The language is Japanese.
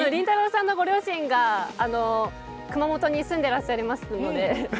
さんのご両親が熊本に住んでいらっしゃいますので。